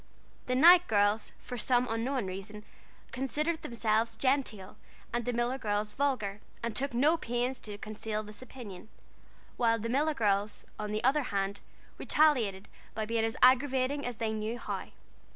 The Knight girls for some unknown reason, considered themselves genteel and the Miller girls vulgar, and took no pains to conceal this opinion; while the Miller girls, on the other hand, retaliated by being as aggravating as they knew how.